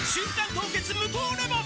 凍結無糖レモン」